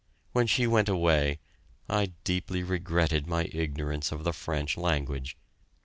When she went away, I deeply regretted my ignorance of the French language.